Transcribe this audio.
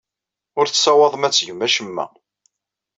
Ur tessawaḍem ad tgem acemma.